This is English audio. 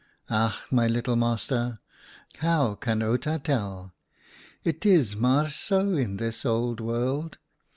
" Ach ! my little master, how can Outa tell? It is maar so in this old world.